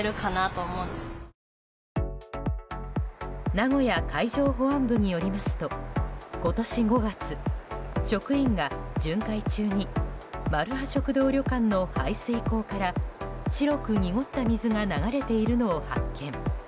名古屋海上保安部によりますと今年５月職員が巡回中にまるは食堂旅館の排水溝から白く濁った水が流れているのを発見。